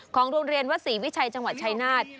ของโรงเรียนวัดศรีวิชัยจังหวัดชายนาฏ